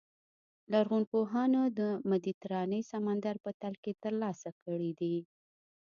لرغونپوهانو د مدیترانې سمندر په تل کې ترلاسه کړي دي.